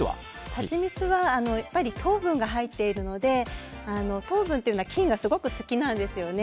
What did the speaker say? ハチミツは糖分が入っているので糖分というのは菌がすごく好きなんですよね。